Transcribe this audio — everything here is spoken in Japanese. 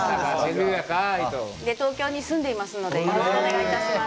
東京に住んでいますのでよろしくお願いいたします。